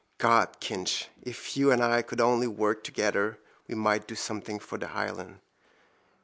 God, Kinch, if you and I could only work together we might do something for the island.